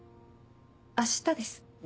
明日です。